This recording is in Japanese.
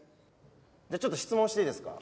じゃあちょっと質問していいですか。